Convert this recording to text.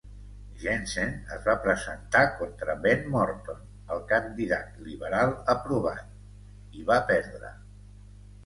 Jensen es va presentar contra Ben Morton, el candidat liberal aprovat, i va perdre.